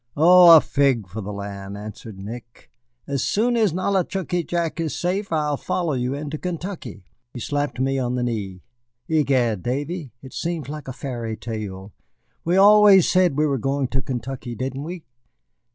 "Oh, a fig for the land," answered Nick; "as soon as Nollichucky Jack is safe I'll follow you into Kentucky." He slapped me on the knee. "Egad, Davy, it seems like a fairy tale. We always said we were going to Kentucky, didn't we?